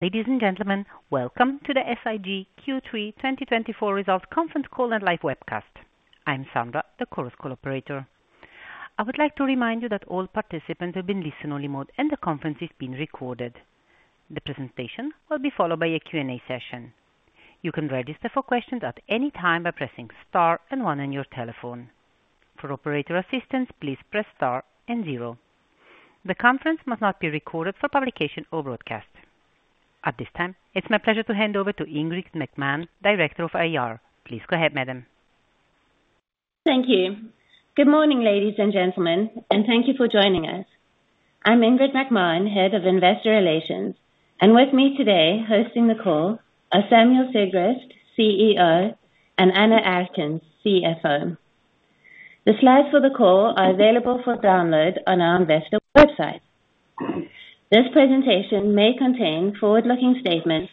Ladies and gentlemen, welcome to the SIG Q3 2024 Results Conference Call and Live Webcast. I'm Sandra, the conference call operator. I would like to remind you that all participants have been placed in listen-only mode, and the conference is being recorded. The presentation will be followed by a Q&A session. You can register for questions at any time by pressing star and one on your telephone. For operator assistance, please press star and zero. The conference must not be recorded for publication or broadcast. At this time, it's my pleasure to hand over to Ingrid McMahon, Director of IR. Please go ahead, madam. Thank you. Good morning, ladies and gentlemen, and thank you for joining us. I'm Ingrid McMahon, Head of Investor Relations, and with me today, hosting the call, are Samuel Sigrist, CEO, and Annemarie Atkins, CFO. The slides for the call are available for download on our investor website. This presentation may contain forward-looking statements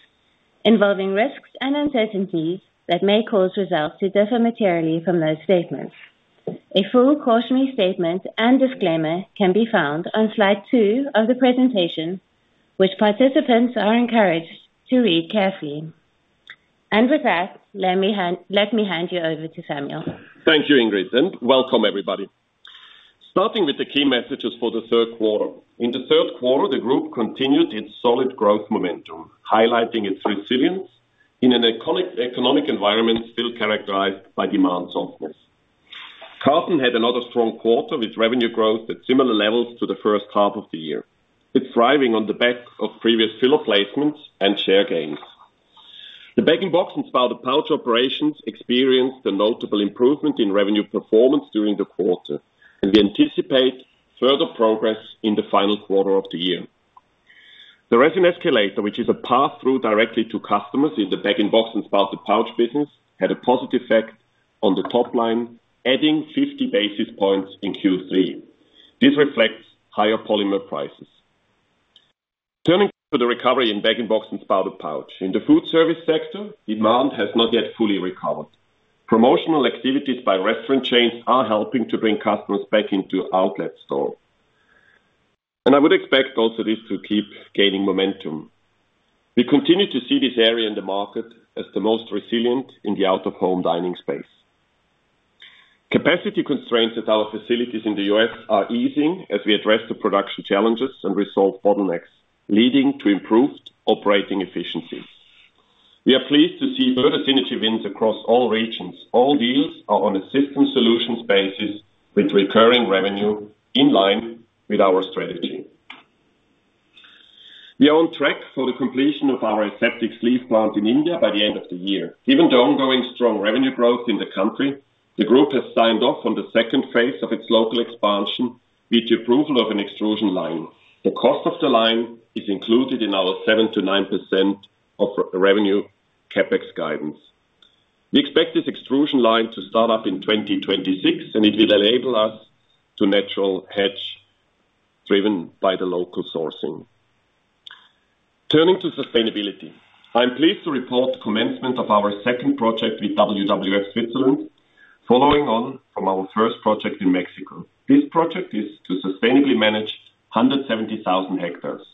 involving risks and uncertainties that may cause results to differ materially from those statements. A full cautionary statement and disclaimer can be found on slide two of the presentation, which participants are encouraged to read carefully. With that, let me hand you over to Samuel. Thank you, Ingrid, and welcome, everybody. Starting with the key messages for the third quarter. In the third quarter, the group continued its solid growth momentum, highlighting its resilience in an economic environment still characterized by demand softness. Carton had another strong quarter, with revenue growth at similar levels to the first half of the year. It's thriving on the back of previous filler placements and share gains. The bag-in-box and spouted pouch operations experienced a notable improvement in revenue performance during the quarter, and we anticipate further progress in the final quarter of the year. The resin escalator, which is a pass-through directly to customers in the bag-in-box and spouted pouch business, had a positive effect on the top line, adding fifty basis points in Q3. This reflects higher polymer prices. Turning to the recovery in bag-in-box and spouted pouch. In the food service sector, demand has not yet fully recovered. Promotional activities by restaurant chains are helping to bring customers back into outlet stores. And I would expect also this to keep gaining momentum. We continue to see this area in the market as the most resilient in the out-of-home dining space. Capacity constraints at our facilities in the U.S. are easing as we address the production challenges and resolve bottlenecks, leading to improved operating efficiency. We are pleased to see further synergy wins across all regions. All deals are on a system solutions basis, with recurring revenue in line with our strategy. We are on track for the completion of our aseptic sleeve plant in India by the end of the year. Given the ongoing strong revenue growth in the country, the group has signed off on the second phase of its local expansion with the approval of an extrusion line. The cost of the line is included in our 7%-9% of revenue CapEx guidance. We expect this extrusion line to start up in 2026, and it will enable us to natural hedge, driven by the local sourcing. Turning to sustainability, I'm pleased to report the commencement of our second project with WWF Switzerland, following on from our first project in Mexico. This project is to sustainably manage 170,000 hectares.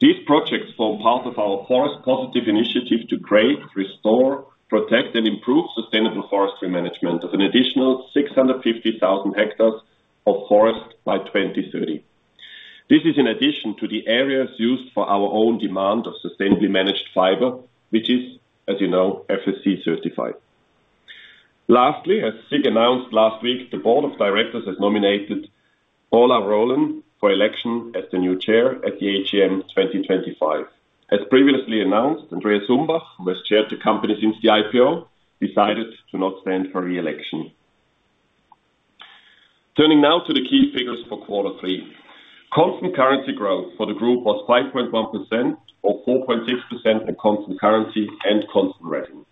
These projects form part of our Forest Positive initiative to create, restore, protect, and improve sustainable forestry management of an additional 650,000 hectares of forest by 2030. This is in addition to the areas used for our own demand of sustainably managed fiber, which is, as you know, FSC certified. Lastly, as SIG announced last week, the board of directors has nominated Pauline Lindwall for election as the new chair at the AGM 2025. As previously announced, Andreas Umbach, who has chaired the company since the IPO, decided to not stand for re-election. Turning now to the key figures for quarter three. Constant currency growth for the group was 5.1%, or 4.6% in constant currency and constant revenue.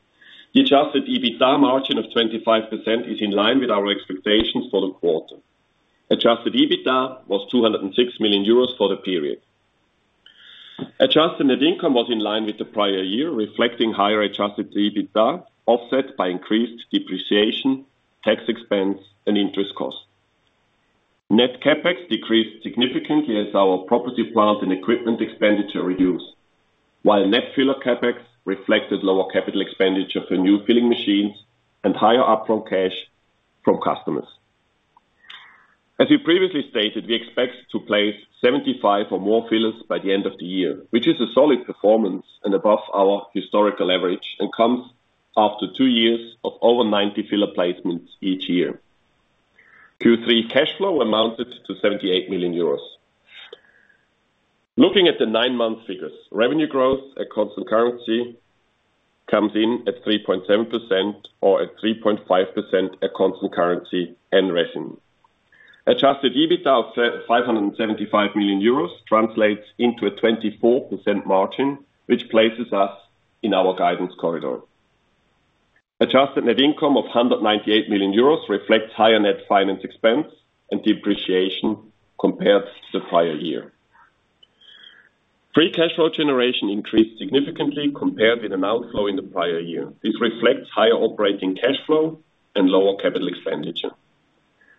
The adjusted EBITDA margin of 25% is in line with our expectations for the quarter. Adjusted EBITDA was 206 million euros for the period. Adjusted net income was in line with the prior year, reflecting higher adjusted EBITDA, offset by increased depreciation, tax expense, and interest costs. Net CapEx decreased significantly as our property, plant, and equipment expenditure reduced, while net filler CapEx reflected lower capital expenditure for new filling machines and higher upfront cash from customers. As we previously stated, we expect to place 75 or more fillers by the end of the year, which is a solid performance and above our historical average, and comes after two years of over 90 filler placements each year. Q3 cash flow amounted to 78 million euros. Looking at the nine-month figures, revenue growth at constant currency comes in at 3.7% or at 3.5% at constant currency and revenue. Adjusted EBITDA of 575 million euros translates into a 24% margin, which places us in our guidance corridor. Adjusted net income of 198 million euros reflects higher net finance expense and depreciation compared to the prior year. Free cash flow generation increased significantly compared with an outflow in the prior year. This reflects higher operating cash flow and lower capital expenditure.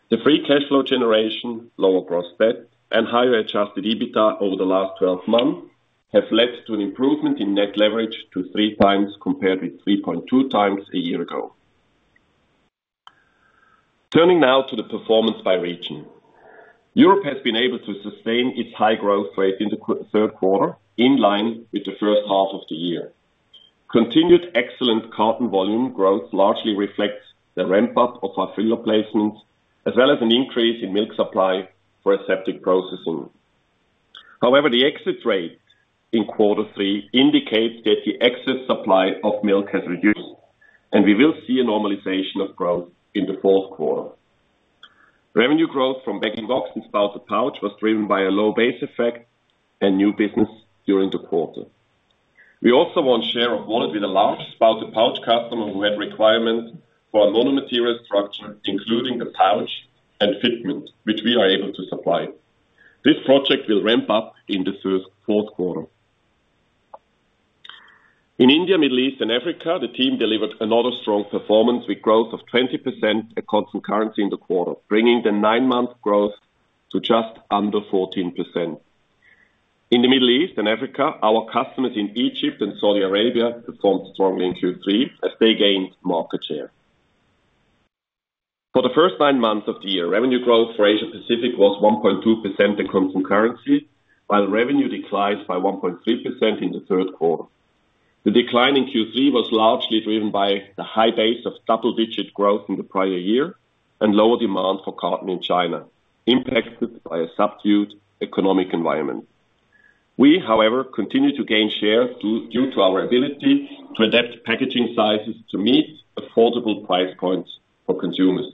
The free cash flow generation, lower gross debt, and higher adjusted EBITDA over the last twelve months have led to an improvement in net leverage to 3x, compared with 3.2x a year ago. Turning now to the performance by region. Europe has been able to sustain its high growth rate in the third quarter, in line with the first half of the year. Continued excellent carton volume growth largely reflects the ramp-up of our filler placements, as well as an increase in milk supply for aseptic processing. However, the exit rate in quarter three indicates that the excess supply of milk has reduced, and we will see a normalization of growth in the fourth quarter. Revenue growth from bag-in-box and spouted pouch was driven by a low base effect and new business during the quarter. We also won share of wallet with a large spouted pouch customer who had requirements for a mono-material structure, including the pouch and fitment, which we are able to supply. This project will ramp up in the fourth quarter. In India, Middle East, and Africa, the team delivered another strong performance, with growth of 20% at constant currency in the quarter, bringing the nine-month growth to just under 14%. In the Middle East and Africa, our customers in Egypt and Saudi Arabia performed strongly in Q3, as they gained market share. For the first nine months of the year, revenue growth for Asia Pacific was 1.2% in constant currency, while revenue declined by 1.3% in the third quarter. The decline in Q3 was largely driven by the high base of double-digit growth in the prior year and lower demand for carton in China, impacted by a subdued economic environment. We, however, continue to gain share due to our ability to adapt packaging sizes to meet affordable price points for consumers.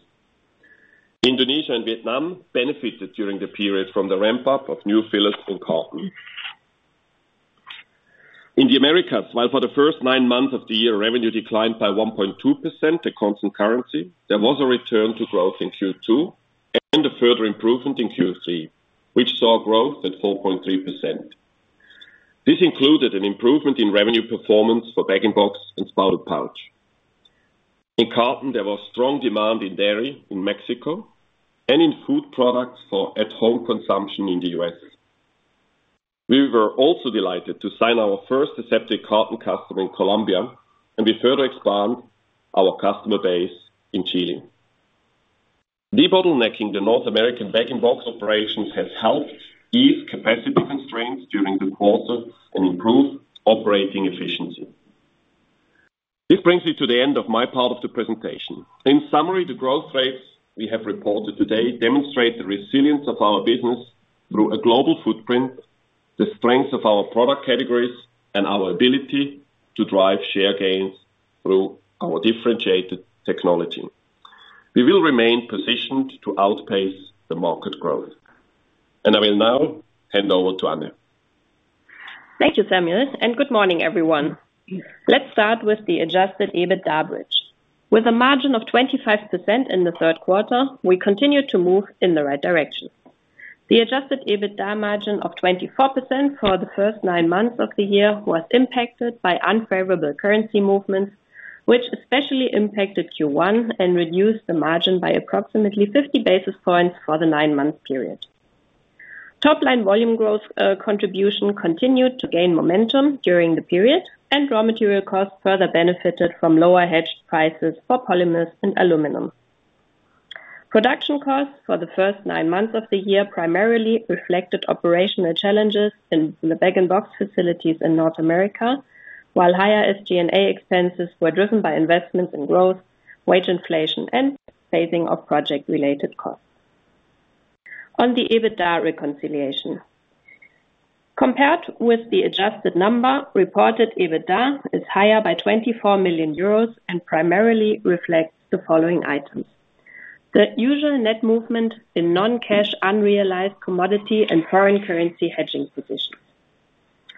Indonesia and Vietnam benefited during the period from the ramp-up of new fillers in carton. In the Americas, while for the first nine months of the year, revenue declined by 1.2% at constant currency, there was a return to growth in Q2 and a further improvement in Q3, which saw growth at 4.3%. This included an improvement in revenue performance for bag-in-box and spouted pouch. In carton, there was strong demand in dairy in Mexico and in food products for at-home consumption in the U.S. We were also delighted to sign our first aseptic carton customer in Colombia, and we further expand our customer base in Chile. Debottlenecking the North American bag-in-box operations has helped ease capacity constraints during the quarter and improve operating efficiency. This brings me to the end of my part of the presentation. In summary, the growth rates we have reported today demonstrate the resilience of our business through a global footprint, the strength of our product categories, and our ability to drive share gains through our differentiated technology. We will remain positioned to outpace the market growth, and I will now hand over to Anne. Thank you, Samuel, and good morning, everyone. Let's start with the adjusted EBITDA bridge. With a margin of 25% in the third quarter, we continue to move in the right direction. The adjusted EBITDA margin of 24% for the first nine months of the year was impacted by unfavorable currency movements, which especially impacted Q1 and reduced the margin by approximately fifty basis points for the nine-month period. Top-line volume growth, contribution continued to gain momentum during the period, and raw material costs further benefited from lower hedged prices for polymers and aluminum. Production costs for the first nine months of the year primarily reflected operational challenges in the bag-in-box facilities in North America, while higher SG&A expenses were driven by investments in growth, wage inflation, and phasing of project-related costs. On the EBITDA reconciliation. Compared with the adjusted number, reported EBITDA is higher by 24 million euros and primarily reflects the following items: The usual net movement in non-cash, unrealized commodity and foreign currency hedging position.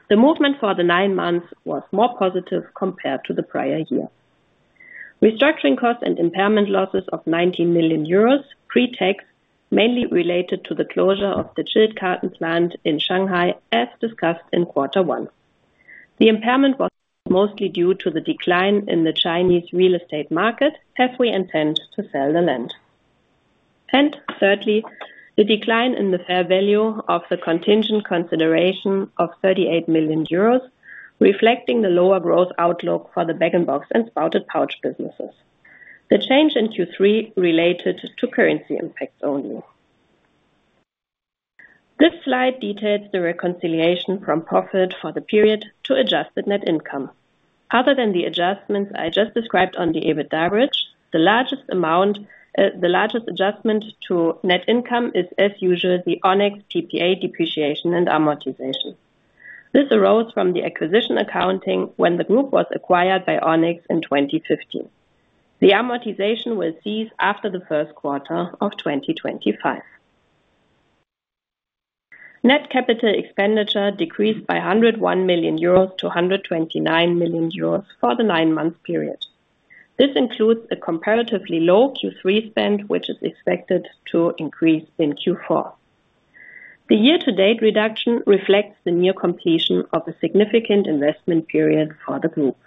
The movement for the nine months was more positive compared to the prior year. Restructuring costs and impairment losses of 19 million euros pre-tax, mainly related to the closure of the chilled carton plant in Shanghai, as discussed in quarter one. The impairment was mostly due to the decline in the Chinese real estate market, as we intend to sell the land. And thirdly, the decline in the fair value of the contingent consideration of 38 million euros, reflecting the lower growth outlook for the bag-in-box and spouted pouch businesses. The change in Q3 related to currency impacts only. This slide details the reconciliation from profit for the period to adjusted net income. Other than the adjustments I just described on the EBITDA bridge, the largest amount, the largest adjustment to net income is, as usual, the Onex PPA depreciation and amortization. This arose from the acquisition accounting when the group was acquired by Onex in twenty fifteen. The amortization will cease after the first quarter of twenty twenty-five. Net capital expenditure decreased by 101 million euros to 129 million euros for the nine-month period. This includes a comparatively low Q3 spend, which is expected to increase in Q4. The year-to-date reduction reflects the near completion of a significant investment period for the group.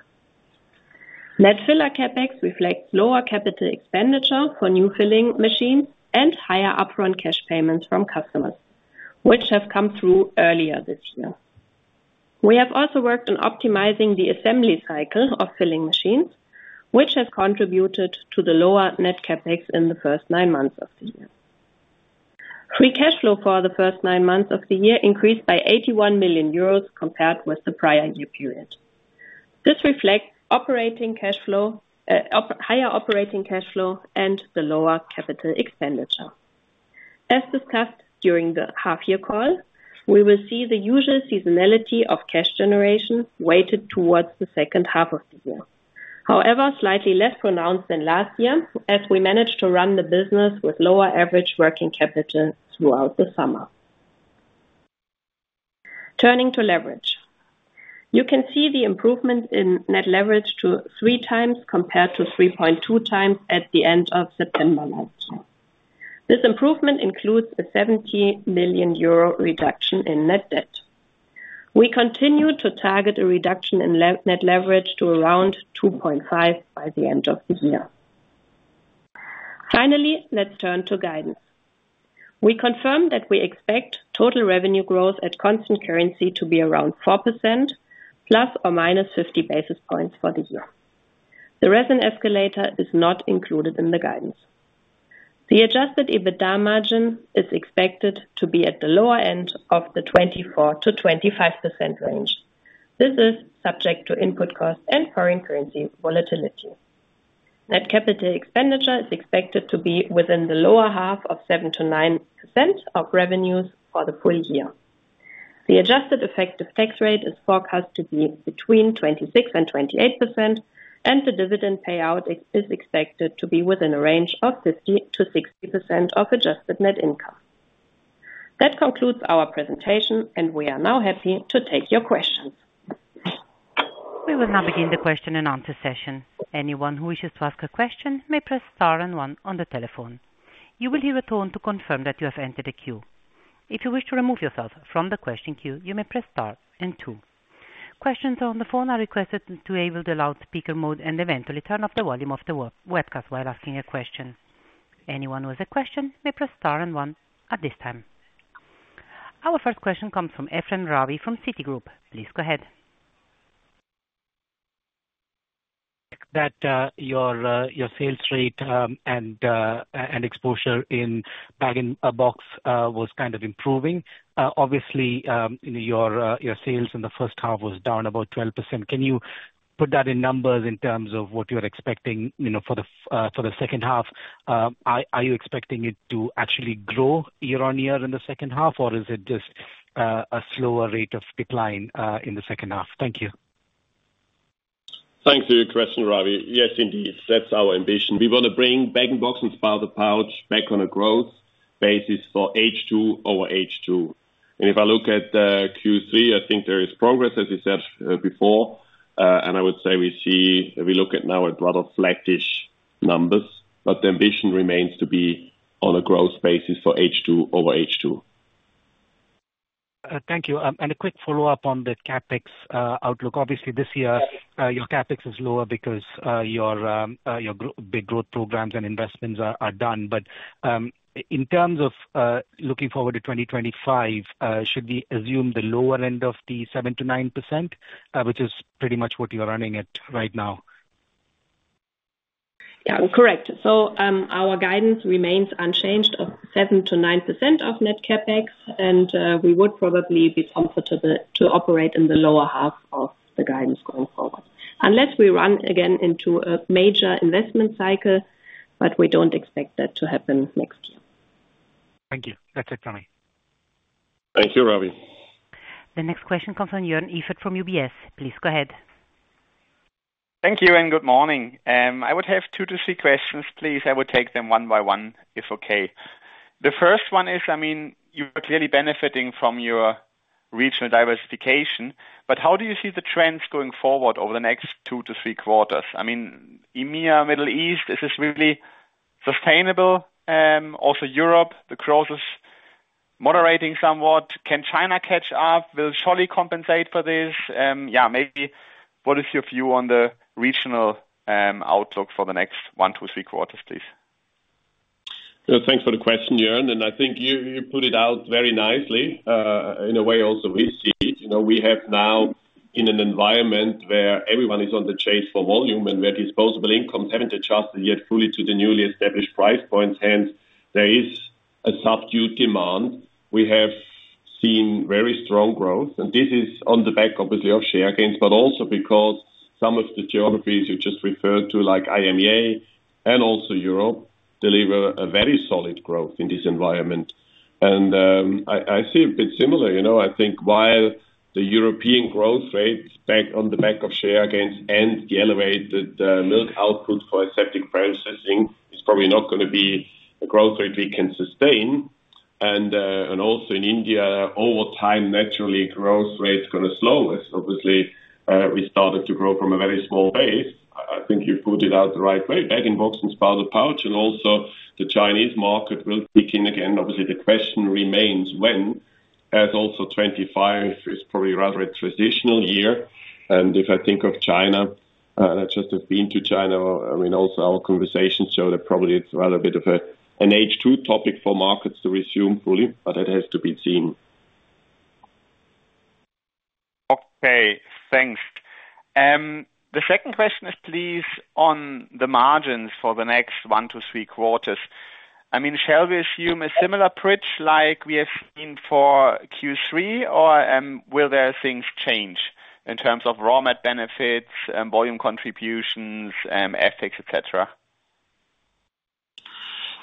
Net filler CapEx reflects lower capital expenditure for new filling machines and higher upfront cash payments from customers, which have come through earlier this year. We have also worked on optimizing the assembly cycle of filling machines, which has contributed to the lower Net CapEx in the first nine months of the year. Free cash flow for the first nine months of the year increased by 81 million euros compared with the prior year period. This reflects higher operating cash flow and the lower capital expenditure. As discussed during the half year call, we will see the usual seasonality of cash generation weighted towards the second half of the year. However, slightly less pronounced than last year, as we managed to run the business with lower average working capital throughout the summer. Turning to leverage. You can see the improvement in net leverage to 3x compared to 3.2x at the end of September last year. This improvement includes a 70 million euro reduction in net debt. We continue to target a reduction in net leverage to around 2.5 by the end of the year. Finally, let's turn to guidance. We confirm that we expect total revenue growth at constant currency to be around 4%, ±50 basis points for the year. The resin escalator is not included in the guidance. The adjusted EBITDA margin is expected to be at the lower end of the 24%-25% range. This is subject to input costs and foreign currency volatility. Net CapEx is expected to be within the lower half of 7%-9% of revenues for the full year. The adjusted effective tax rate is forecast to be between 26% and 28%, and the dividend payout is expected to be within a range of 50%-60% of adjusted net income. That concludes our presentation, and we are now happy to take your questions. We will now begin the question and answer session. Anyone who wishes to ask a question may press star and one on the telephone. You will hear a tone to confirm that you have entered a queue. If you wish to remove yourself from the question queue, you may press star and two. Questions on the phone are requested to enable the loudspeaker mode and eventually turn off the volume of the webcast while asking a question. Anyone with a question may press star and one at this time. Our first question comes from Ephrem Ravi from Citigroup. Please go ahead. Your sales rate and exposure in bag-in-box was kind of improving. Obviously, your sales in the first half was down about 12%. Can you put that in numbers in terms of what you're expecting, you know, for the second half? Are you expecting it to actually grow year-on-year in the second half, or is it just a slower rate of decline in the second half? Thank you. Thanks for your question, Ravi. Yes, indeed, that's our ambition. We want to bring bag-in-box and spouted pouch back on a growth basis for H2 over H2. And if I look at Q3, I think there is progress, as you said, before. And I would say we see, we look at now at rather flattish numbers, but the ambition remains to be on a growth basis for H2 over H2. Thank you. And a quick follow-up on the CapEx outlook. Obviously, this year, your CapEx is lower because your big growth programs and investments are done. But, in terms of looking forward to 2025, should we assume the lower end of the 7%-9%, which is pretty much what you're running at right now? Yeah, correct. So, our guidance remains unchanged of 7%-9% of net CapEx, and, we would probably be comfortable to operate in the lower half of the guidance going forward. Unless we run again into a major investment cycle, but we don't expect that to happen next year. Thank you. That's it for me. Thank you, Ravi. The next question comes from Jörn Iffert from UBS. Please go ahead. Thank you, and good morning. I would have two to three questions, please. I will take them one by one, if okay. The first one is, I mean, you are clearly benefiting from your regional diversification, but how do you see the trends going forward over the next two to three quarters? I mean, EMEA, Middle East, is this really sustainable? Also, Europe, the growth is moderating somewhat. Can China catch up? Will Chile compensate for this? Yeah, maybe what is your view on the regional, outlook for the next one to three quarters, please? Thanks for the question, Jörn, and I think you put it out very nicely, in a way, also we see it. You know, we have now in an environment where everyone is on the chase for volume, and where disposable incomes haven't adjusted yet fully to the newly established price points, and there is a subdued demand. We have seen very strong growth, and this is on the back, obviously, of share gains, but also because some of the geographies you just referred to, like EMEA and also Europe, deliver a very solid growth in this environment. I see a bit similar, you know, I think while the European growth rate back on the back of share gains and the elevated milk output for aseptic processing is probably not gonna be a growth rate we can sustain. In India, over time, naturally, growth rate is gonna slow. Obviously, we started to grow from a very small base. I think you put it out the right way, bag-in-box and spouted pouch, and also the Chinese market will kick in again. Obviously, the question remains when? As also 2025 is probably rather a transitional year, and if I think of China, I just have been to China. I mean, also our conversations show that probably it's rather a bit of a, an H2 topic for markets to resume fully, but it has to be seen. Okay, thanks. The second question is please, on the margins for the next one to three quarters. I mean, shall we assume a similar approach like we have seen for Q3, or, will there are things change in terms of raw mat benefits and volume contributions, mix, et cetera?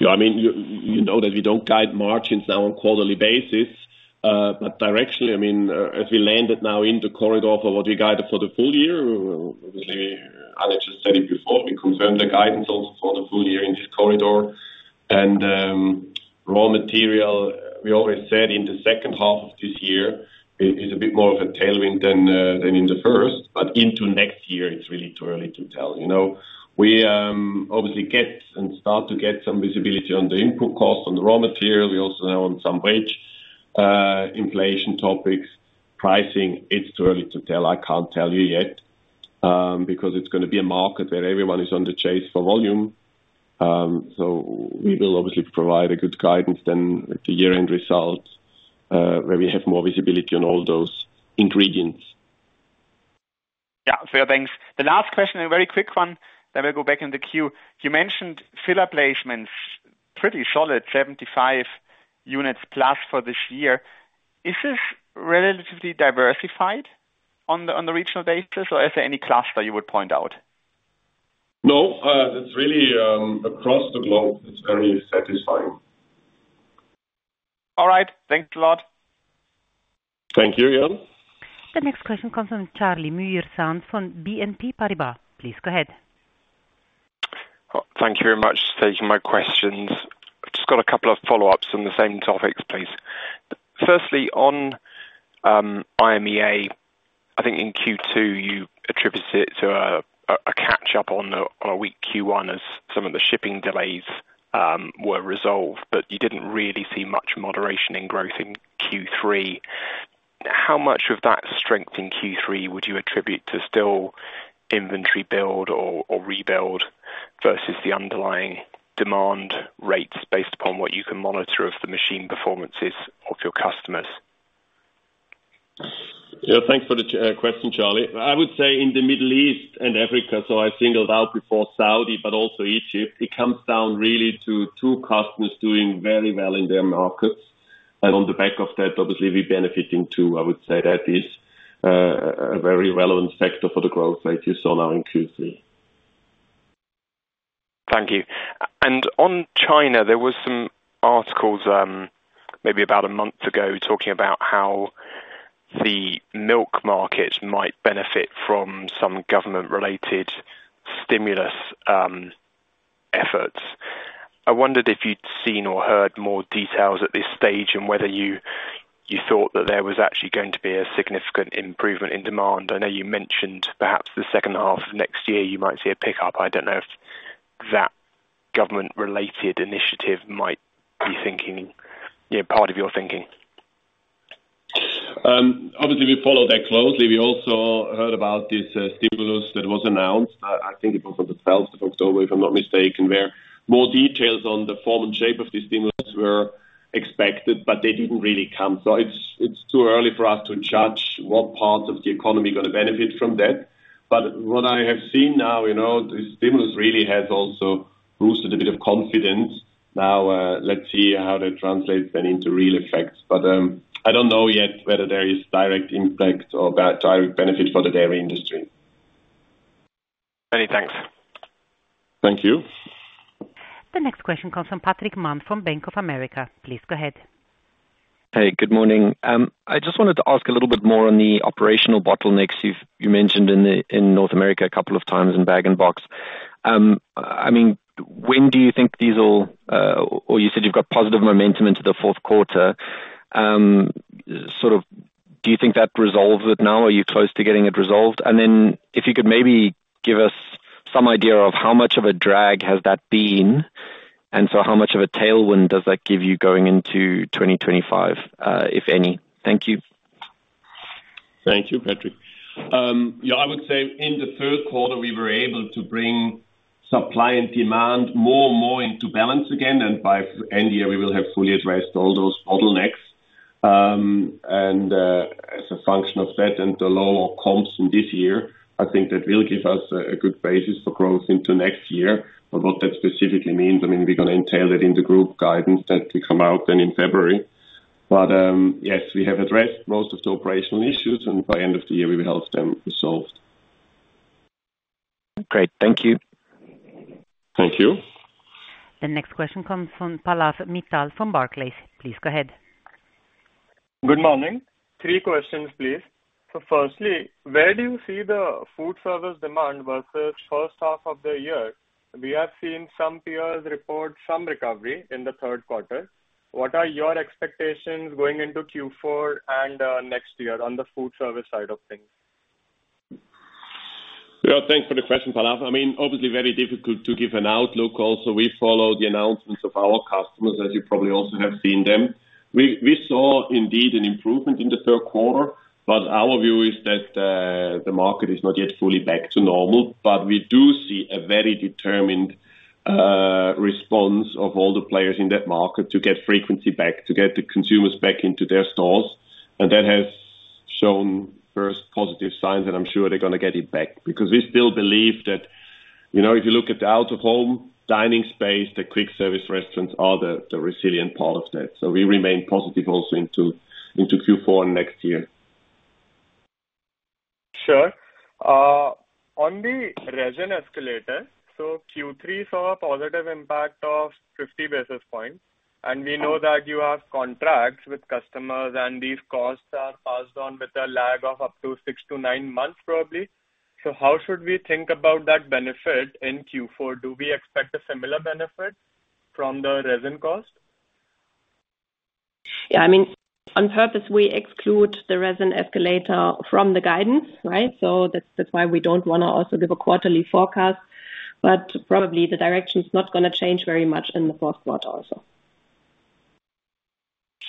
Yeah, I mean, you know that we don't guide margins now on quarterly basis, but directionally, I mean, as we landed now in the corridor for what we guided for the full year, as I just said it before, we confirmed the guidance also for the full year in this corridor. And raw material, we always said in the second half of this year is a bit more of a tailwind than in the first, but into next year, it's really too early to tell. You know, we obviously get and start to get some visibility on the input costs, on the raw material. We also have on some wage inflation topics. Pricing, it's too early to tell. I can't tell you yet, because it's gonna be a market where everyone is on the chase for volume. We will obviously provide a good guidance then at the year-end results, where we have more visibility on all those ingredients. Yeah, fair, thanks. The last question, a very quick one, then we'll go back in the queue. You mentioned filler placements, pretty solid, 75 units+ for this year. Is this relatively diversified on the regional basis, or is there any cluster you would point out? No, that's really across the globe. It's very satisfying. All right. Thanks a lot. Thank you, Jan. The next question comes from Charlie Muir-Sands from BNP Paribas. Please go ahead. Thank you very much for taking my questions. I've just got a couple of follow-ups on the same topics, please. Firstly, on IMEA, I think in Q2, you attributed it to a catch up on a weak Q1 as some of the shipping delays were resolved, but you didn't really see much moderation in growth in Q3. How much of that strength in Q3 would you attribute to still inventory build or rebuild versus the underlying demand rates, based upon what you can monitor of the machine performances of your customers? Yeah, thanks for the question, Charlie. I would say in the Middle East and Africa, so I singled out before Saudi, but also Egypt, it comes down really to two customers doing very well in their markets. And on the back of that, obviously, we're benefiting too. I would say that is a very relevant factor for the growth that you saw now in Q3. Thank you. And on China, there was some articles, maybe about a month ago, talking about how the milk market might benefit from some government-related stimulus, efforts. I wondered if you'd seen or heard more details at this stage, and whether you thought that there was actually going to be a significant improvement in demand. I know you mentioned perhaps the second half of next year, you might see a pickup. I don't know if that government-related initiative might be thinking, yeah, part of your thinking. Obviously, we follow that closely. We also heard about this stimulus that was announced. I think it was on the twelfth of October, if I'm not mistaken, where more details on the form and shape of the stimulus were expected, but they didn't really come. So it's too early for us to judge what part of the economy is gonna benefit from that. But what I have seen now, you know, the stimulus really has also boosted a bit of confidence. Now, let's see how that translates then into real effects. But I don't know yet whether there is direct impact or direct benefit for the dairy industry. Many thanks. Thank you. The next question comes from Patrick Mann from Bank of America. Please go ahead. Hey, good morning. I just wanted to ask a little bit more on the operational bottlenecks you've mentioned in North America a couple of times in bag-in-box. I mean, when do you think these will? Or you said you've got positive momentum into the fourth quarter. Sort of, do you think that resolves it now? Are you close to getting it resolved? And then, if you could maybe give us some idea of how much of a drag has that been, and so how much of a tailwind does that give you going into twenty twenty-five, if any? Thank you. Thank you, Patrick. Yeah, I would say in the third quarter, we were able to bring supply and demand more and more into balance again, and by end of year, we will have fully addressed all those bottlenecks. And, as a function of that and the lower costs in this year, I think that will give us a good basis for growth into next year. But what that specifically means, I mean, we're gonna entail it in the group guidance that will come out then in February. But, yes, we have addressed most of the operational issues, and by end of the year, we will have them resolved. Great. Thank you. Thank you. The next question comes from Pallav Mittal from Barclays. Please go ahead. Good morning. Three questions, please. So firstly, where do you see the food service demand versus first half of the year? We have seen some peers report some recovery in the third quarter. What are your expectations going into Q4 and next year on the food service side of things? Thanks for the question, Palav. I mean, obviously, very difficult to give an outlook. Also, we follow the announcements of our customers, as you probably also have seen them. We saw indeed an improvement in the third quarter, but our view is that the market is not yet fully back to normal. But we do see a very determined response of all the players in that market to get frequency back, to get the consumers back into their stores. And that has shown first positive signs, and I'm sure they're gonna get it back. Because we still believe that, you know, if you look at the out-of-home dining space, the quick service restaurants are the resilient part of that. So we remain positive also into Q4 next year. Sure. On the resin escalator, so Q3 saw a positive impact of 50 basis points, and we know that you have contracts with customers, and these costs are passed on with a lag of up to six to nine months, probably. So how should we think about that benefit in Q4? Do we expect a similar benefit from the resin cost? Yeah, I mean, on purpose, we exclude the resin escalator from the guidance, right? So that's, that's why we don't wanna also give a quarterly forecast, but probably the direction's not gonna change very much in the fourth quarter also.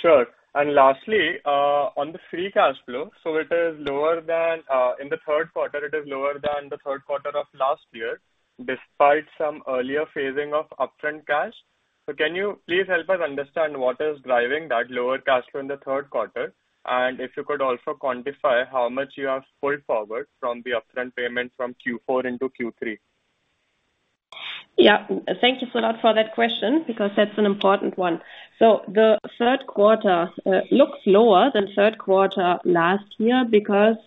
Sure. And lastly, on the free cash flow, so it is lower than the third quarter of last year, despite some earlier phasing of upfront cash. So can you please help us understand what is driving that lower cash flow in the third quarter? And if you could also quantify how much you have pulled forward from the upfront payment from Q4 into Q3. Yeah. Thank you, Pallav, for that question, because that's an important one. So the third quarter looks lower than third quarter last year because,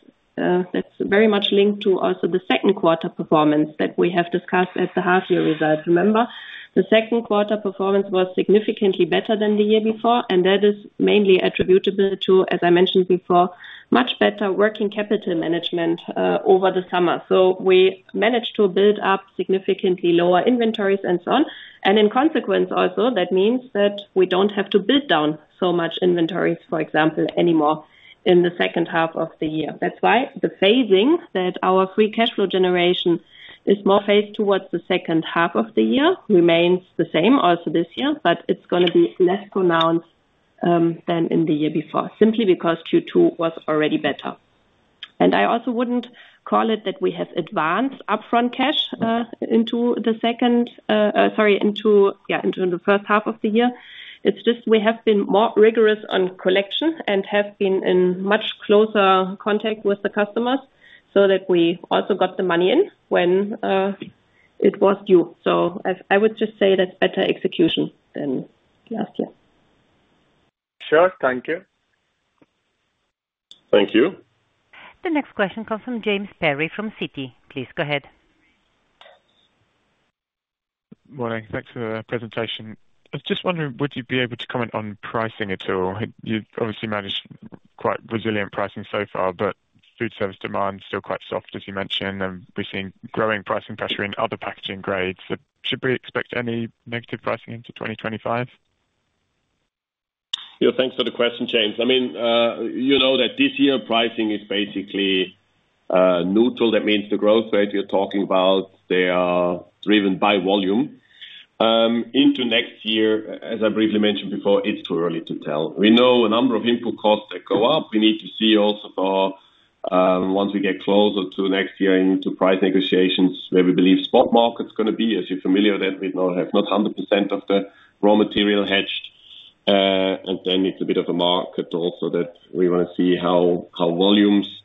that's very much linked to also the second quarter performance that we have discussed at the half year results. Remember, the second quarter performance was significantly better than the year before, and that is mainly attributable to, as I mentioned before, much better working capital management, over the summer. So we managed to build up significantly lower inventories and so on. And in consequence also, that means that we don't have to build down so much inventories, for example, anymore in the second half of the year. That's why the phasing that our free cash flow generation is more phased towards the second half of the year remains the same also this year, but it's gonna be less pronounced than in the year before, simply because Q2 was already better. And I also wouldn't call it that we have advanced upfront cash into the first half of the year. It's just we have been more rigorous on collection and have been in much closer contact with the customers so that we also got the money in when it was due. So I would just say that's better execution than last year. Sure. Thank you. Thank you. The next question comes from James Perry from Citi. Please go ahead. Morning. Thanks for the presentation. I was just wondering, would you be able to comment on pricing at all? You've obviously managed quite resilient pricing so far, but food service demand is still quite soft, as you mentioned, and we've seen growing pricing pressure in other packaging grades. Should we expect any negative pricing into 2025? Yeah, thanks for the question, James. I mean, you know that this year pricing is basically neutral. That means the growth rate you're talking about is driven by volume. Into next year, as I briefly mentioned before, it's too early to tell. We know a number of input costs that go up. We need to see also for once we get closer to next year into price negotiations, where we believe spot market is gonna be. As you're familiar, we do not have 100% of the raw material hedged, and then it's a bit of a market also, that we want to see how volumes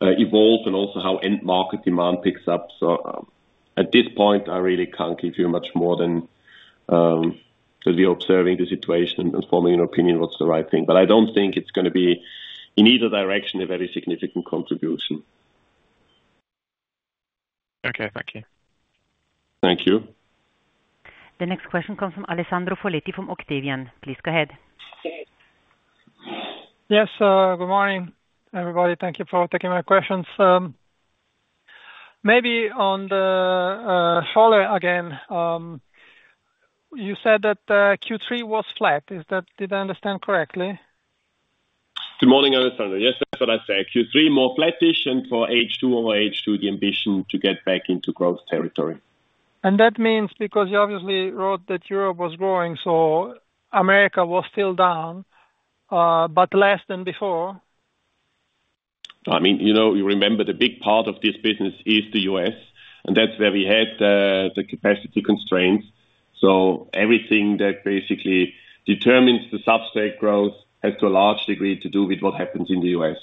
evolve and also how end market demand picks up. So at this point, I really can't give you much more than to be observing the situation and forming an opinion what's the right thing. But I don't think it's gonna be, in either direction, a very significant contribution. Okay, thank you. Thank you. The next question comes from Alessandro Foletti from Octavian. Please go ahead. Yes, good morning, everybody. Thank you for taking my questions. Maybe on the Scholle again. You said that Q3 was flat. Is that? Did I understand correctly? Good morning, Alessandro. Yes, that's what I said. Q3, more flattish, and for H2 over H2, the ambition to get back into growth territory. That means, because you obviously wrote that Europe was growing, so Americas was still down, but less than before? I mean, you know, you remember the big part of this business is the U.S., and that's where we had the capacity constraints. So everything that basically determines the substrate growth has, to a large degree, to do with what happens in the U.S.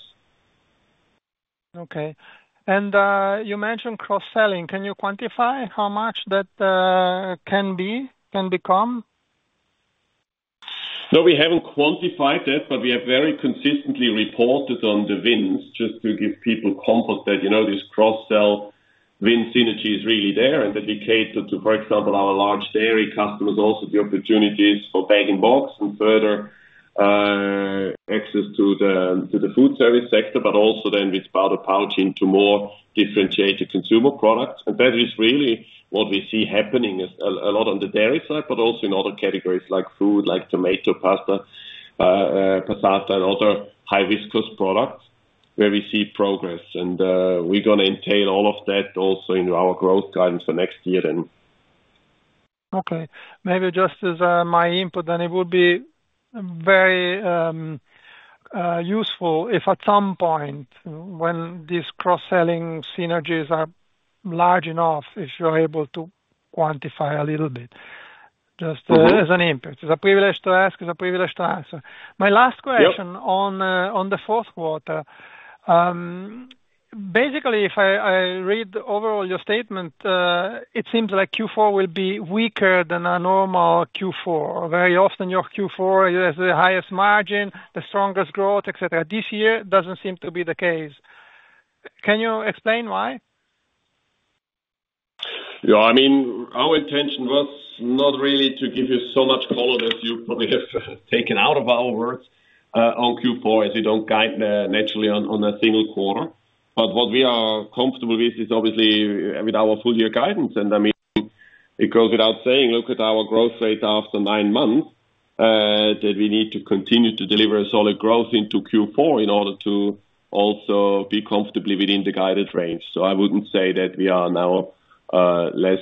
Okay. And, you mentioned cross-selling. Can you quantify how much that can become? No, we haven't quantified that, but we have very consistently reported on the wins, just to give people comfort that, you know, this cross-sell win synergy is really there. And that we cater to, for example, our large dairy customers, also the opportunities for bag-in-box and further access to the food service sector, but also then with powder pouch into more differentiated consumer products. And that is really what we see happening is a lot on the dairy side, but also in other categories like food, like tomato pasta, passata and other highly viscous products where we see progress, and we're gonna include all of that also in our growth guidance for next year, then. Okay. Maybe just as my input, then it would be very useful if at some point, when these cross-selling synergies are large enough, if you're able to quantify a little bit. Just as an input. It's a privilege to ask, it's a privilege to answer. My last question on the fourth quarter. Basically, if I read overall your statement, it seems like Q4 will be weaker than a normal Q4. Very often, your Q4 has the highest margin, the strongest growth, et cetera. This year, it doesn't seem to be the case. Can you explain why? Yeah, I mean, our intention was not really to give you so much color as you probably have taken out of our words on Q4, as we don't guide naturally on a single quarter. But what we are comfortable with is obviously with our full year guidance, and, I mean, it goes without saying, look at our growth rate after nine months that we need to continue to deliver a solid growth into Q4 in order to also be comfortably within the guided range. So I wouldn't say that we are now less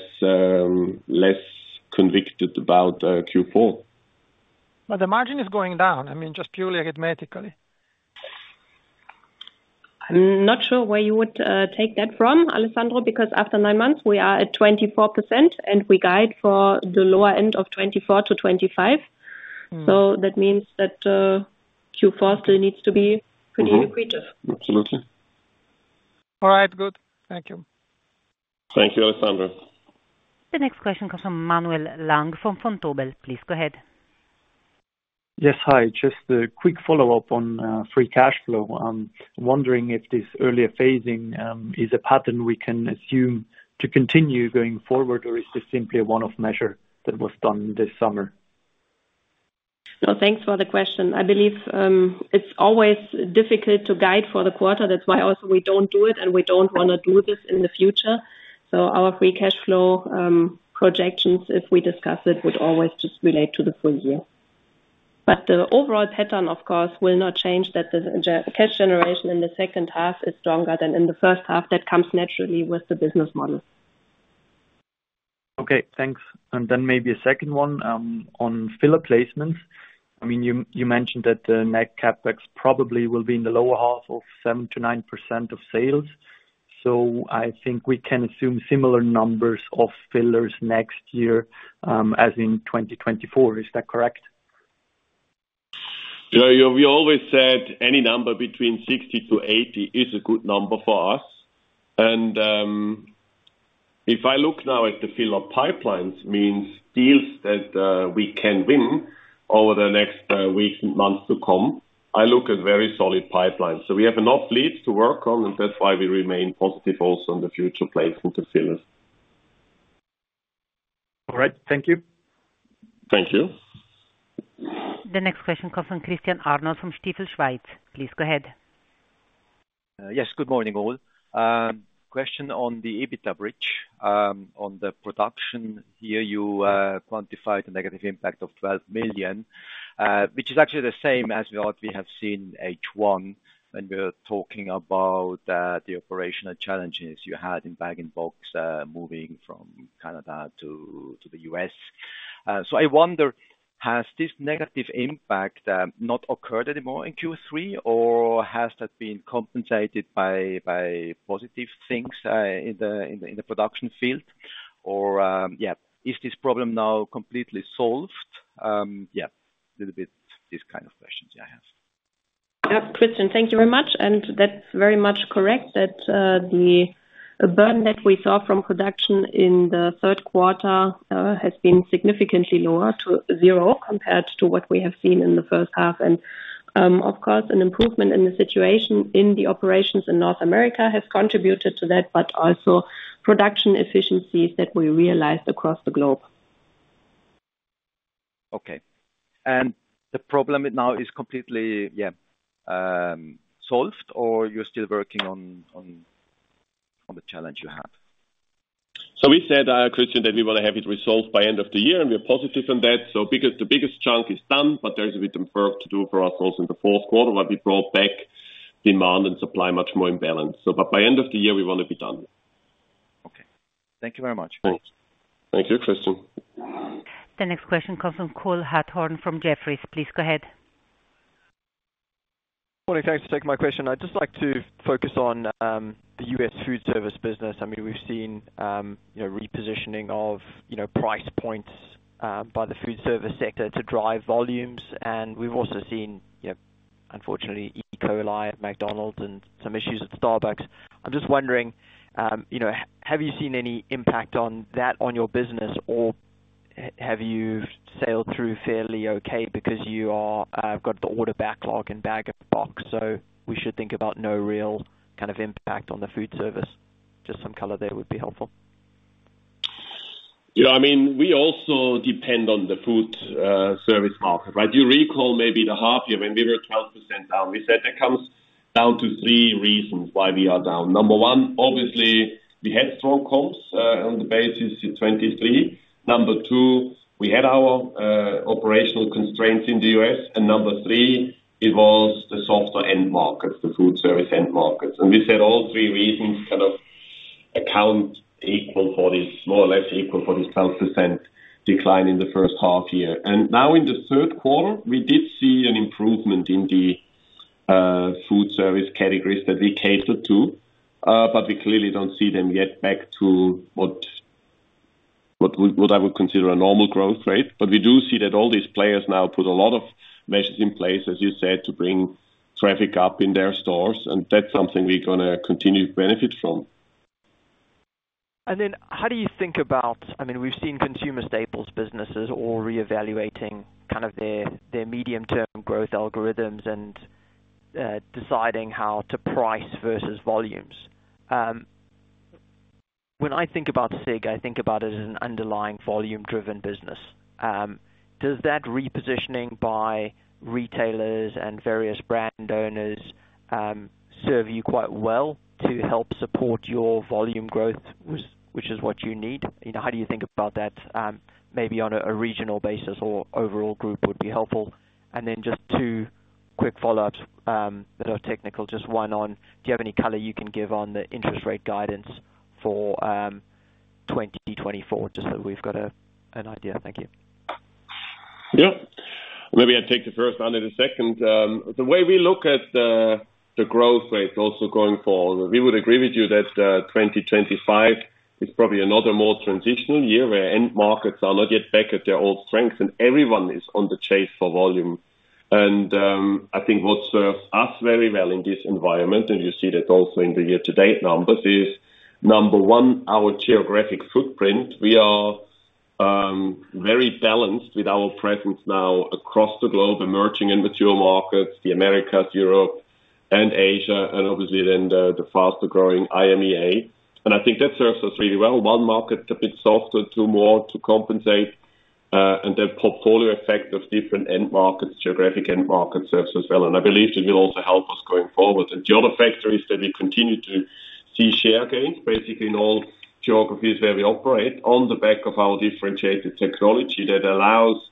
convicted about Q4. But the margin is going down, I mean, just purely arithmetically. I'm not sure where you would, take that from, Alessandro, because after nine months we are at 24%, and we guide for the lower end of 24%-25%. So that means that, Q4 still needs to be pretty lucrative. Absolutely. All right, good. Thank you. Thank you, Alessandro. The next question comes from Manuel Läng, from Vontobel. Please go ahead. Yes, hi. Just a quick follow-up on free cash flow. I'm wondering if this earlier phasing is a pattern we can assume to continue going forward, or is this simply a one-off measure that was done this summer? So thanks for the question. I believe, it's always difficult to guide for the quarter. That's why also we don't do it, and we don't wanna do this in the future. So our free cash flow projections, if we discuss it, would always just relate to the full year. But the overall pattern, of course, will not change, that the cash generation in the second half is stronger than in the first half. That comes naturally with the business model. Okay, thanks. And then maybe a second one, on filler placements. I mean, you mentioned that the Net CapEx probably will be in the lower half of 7%-9% of sales. So I think we can assume similar numbers of fillers next year, as in 2024. Is that correct? Yeah, yeah, we always said any number between 60 to 80 is a good number for us. And, if I look now at the filler pipelines, means deals that we can win over the next weeks and months to come, I look at very solid pipelines. So we have enough leads to work on, and that's why we remain positive also in the future placement of fillers. All right. Thank you. Thank you. The next question comes from Christian Arnold from Stifel Schweiz. Please go ahead. Yes, good morning, all. Question on the EBITDA bridge. On the production year, you quantified the negative impact of 12 million, which is actually the same as what we have seen H1 when we're talking about the operational challenges you had in bag and box, moving from Canada to the US. So I wonder, has this negative impact not occurred anymore in Q3, or has that been compensated by positive things in the production field? Or, yeah, is this problem now completely solved? Yeah, a little bit, these kind of questions I have. Yeah, Christian, thank you very much, and that's very much correct, that the burn that we saw from production in the third quarter has been significantly lower to zero, compared to what we have seen in the first half. And, of course, an improvement in the situation in the operations in North America has contributed to that, but also production efficiencies that we realized across the globe. Okay. And the problem now is completely, yeah, solved, or you're still working on the challenge you have? So we said, Christian, that we want to have it resolved by end of the year, and we're positive on that. So the biggest chunk is done, but there's a bit of work to do for us also in the fourth quarter, but we brought back demand and supply much more in balance. But by end of the year, we want to be done. Okay. Thank you very much. Thanks. Thank you, Christian. The next question comes from Cole Hathorn from Jefferies. Please go ahead. Morning. Thanks for taking my question. I'd just like to focus on, the U.S. food service business. I mean, we've seen, you know, repositioning of, you know, price points, by the food service sector to drive volumes, and we've also seen, you know, unfortunately, E. coli at McDonald's and some issues at Starbucks. I'm just wondering, you know, have you seen any impact on that on your business, or have you sailed through fairly okay because you are got the order backlog in bag-in-box, so we should think about no real kind of impact on the food service? Just some color there would be helpful. Yeah, I mean, we also depend on the food service market, but you recall maybe the half year when we were 12% down. We said that comes down to three reasons why we are down. Number one, obviously, we had strong comps on the basis in 2023. Number two, we had our operational constraints in the U.S. And number three, it was the softer end markets, the food service end markets. And we said all three reasons kind of account equal for this, more or less equal for this 12% decline in the first half year. And now in the third quarter, we did see an improvement in the food service categories that we catered to, but we clearly don't see them yet back to what I would consider a normal growth rate. But we do see that all these players now put a lot of measures in place, as you said, to bring traffic up in their stores, and that's something we're gonna continue to benefit from. And then how do you think about, I mean, we've seen consumer staples businesses all reevaluating kind of their medium-term growth algorithms and deciding how to price versus volumes. When I think about SIG, I think about it as an underlying volume-driven business. Does that repositioning by retailers and various brand owners serve you quite well to help support your volume growth, which is what you need? You know, how do you think about that, maybe on a regional basis or overall group would be helpful. And then just two quick follow-ups that are technical. Just one on, do you have any color you can give on the interest rate guidance for twenty twenty-four, just so we've got an idea? Thank you. Yeah. Maybe I'll take the first one and the second. The way we look at the growth rate also going forward, we would agree with you that, 2025 is probably another more transitional year, where end markets are not yet back at their old strength, and everyone is on the chase for volume. And, I think what serves us very well in this environment, and you see that also in the year-to-date numbers, is, number one, our geographic footprint. We are, very balanced with our presence now across the globe, emerging and mature markets, the Americas, Europe, and Asia, and obviously then the faster-growing EMEA. And I think that serves us really well. One market, a bit softer, two more to compensate, and the portfolio effect of different end markets, geographic end markets, serves us well, and I believe it will also help us going forward. The other factor is that we continue to see share gains, basically in all geographies where we operate on the back of our differentiated technology that allows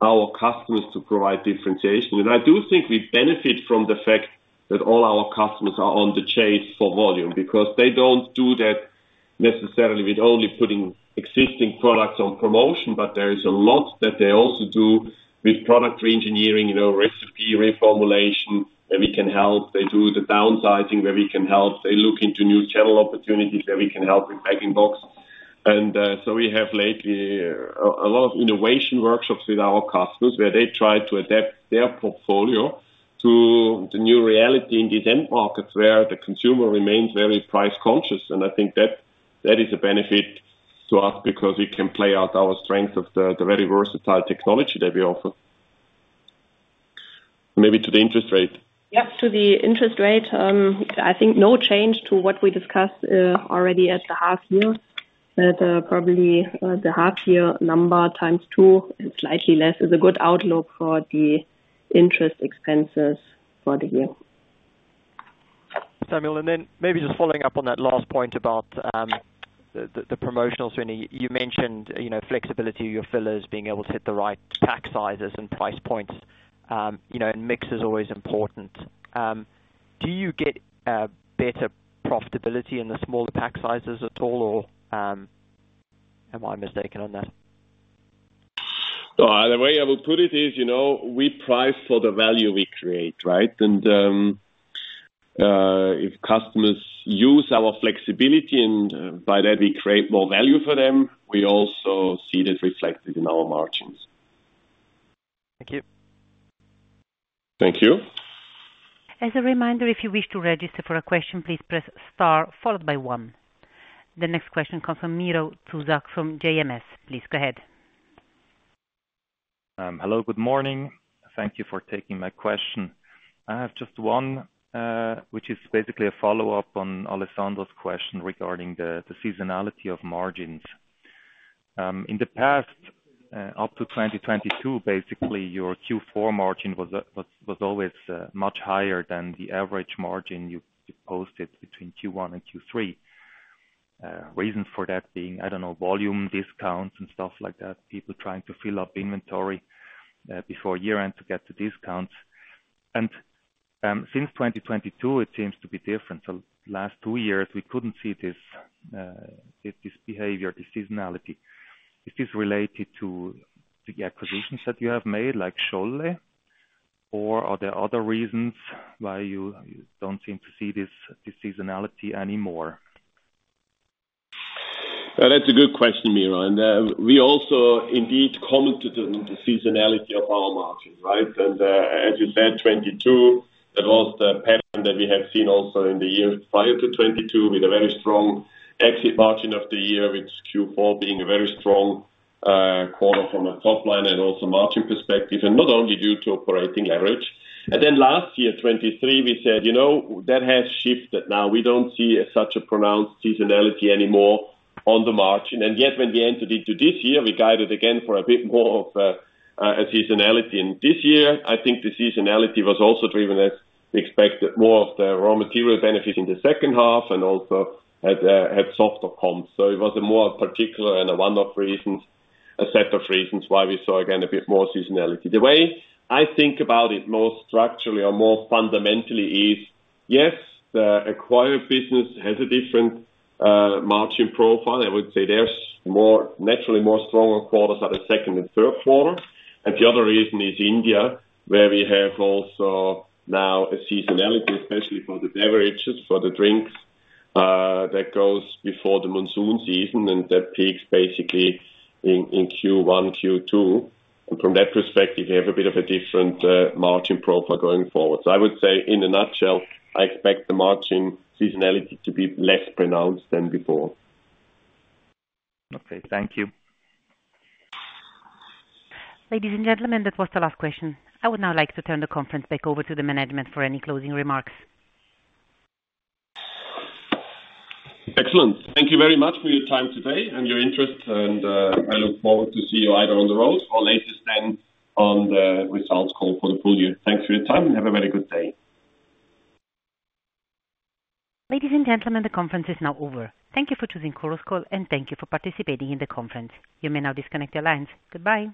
our customers to provide differentiation. And I do think we benefit from the fact that all our customers are on the chase for volume, because they don't do that necessarily with only putting existing products on promotion, but there is a lot that they also do with product reengineering, you know, recipe reformulation, where we can help. They do the downsizing, where we can help. They look into new channel opportunities, where we can help with packing box. And so we have lately a lot of innovation workshops with our customers, where they try to adapt their portfolio to the new reality in the end markets, where the consumer remains very price conscious. And I think that is a benefit to us because we can play out our strength of the very versatile technology that we offer. Maybe to the interest rate. Yep, to the interest rate, I think no change to what we discussed already at the half year. But, probably, the half year number x2 and slightly less is a good outlook for the interest expenses for the year. Samuel, and then maybe just following up on that last point about the promotional. So you mentioned, you know, flexibility of your fillers, being able to hit the right pack sizes and price points. You know, and mix is always important. Do you get a better profitability in the smaller pack sizes at all? Or, am I mistaken on that? No, the way I would put it is, you know, we price for the value we create, right? And, if customers use our flexibility and by that we create more value for them, we also see that reflected in our margins. Thank you. Thank you. As a reminder, if you wish to register for a question, please press star followed by one. The next question comes from Miro Zuzak from JMS. Please go ahead. Hello, good morning. Thank you for taking my question. I have just one, which is basically a follow-up on Alessandro's question regarding the seasonality of margins. In the past, up to twenty twenty-two, basically, your Q4 margin was always much higher than the average margin you posted between Q1 and Q3. Reason for that being, I don't know, volume discounts and stuff like that, people trying to fill up inventory before year-end to get the discounts. Since twenty twenty-two, it seems to be different. Last two years, we couldn't see this behavior, this seasonality. Is this related to the acquisitions that you have made, like Scholle? Or are there other reasons why you don't seem to see this seasonality anymore? That's a good question, Miro, and we also indeed commented on the seasonality of our margin, right? And as you said, 2022, that was the pattern that we have seen also in the years prior to 2022, with a very strong exit margin of the year, with Q4 being a very strong quarter from a top line and also margin perspective, and not only due to operating leverage. And then last year, 2023, we said: You know, that has shifted. Now, we don't see such a pronounced seasonality anymore on the margin. And yet, when we entered into this year, we guided again for a bit more of a seasonality. And this year, I think the seasonality was also driven, as expected, more of the raw material benefit in the second half and also at softer comps. So it was a more particular and a one-off reasons, a set of reasons why we saw, again, a bit more seasonality. The way I think about it, more structurally or more fundamentally, is, yes, the acquired business has a different margin profile. I would say there's more, naturally more stronger quarters are the second and third quarter. And the other reason is India, where we have also now a seasonality, especially for the beverages, for the drinks, that goes before the monsoon season, and that peaks basically in Q1, Q2. And from that perspective, we have a bit of a different margin profile going forward. So I would say, in a nutshell, I expect the margin seasonality to be less pronounced than before. Okay, thank you. Ladies and gentlemen, that was the last question. I would now like to turn the conference back over to the management for any closing remarks. Excellent. Thank you very much for your time today and your interest, and, I look forward to see you either on the road or later then on the results call for the full year. Thanks for your time, and have a very good day. Ladies and gentlemen, the conference is now over. Thank you for choosing Chorus Call, and thank you for participating in the conference. You may now disconnect your lines. Goodbye.